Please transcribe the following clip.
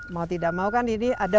mau tidak mau kan ini ada